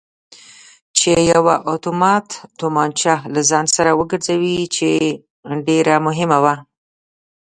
چې یوه اتومات تومانچه له ځان سر وګرځوي چې ډېره مهمه وه.